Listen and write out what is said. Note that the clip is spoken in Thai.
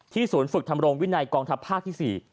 ศูนย์ฝึกทำโรงวินัยกองทัพภาคที่๔